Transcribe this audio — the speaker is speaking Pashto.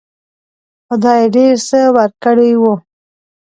خدای ډېر څه ورکړي وو.